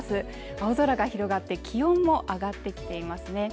青空が広がって気温も上がってきていますね